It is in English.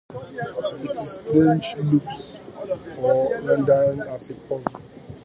It is a strange loop or rendered as a puzzle.